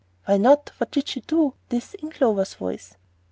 "Why not? What did she do?" This in Clover's voice.